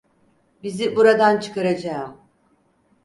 Bizi buradan çıkaracağım.